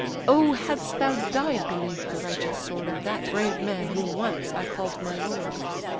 O hadst thou died beneath the righteous sword Of that brave man whom once I call'd my lord!